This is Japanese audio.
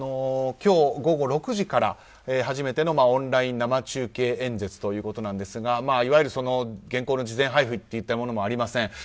今日午後６時から初めてのオンライン生中継演説ということですがいわゆる原稿の事前配布といったようなものもありません。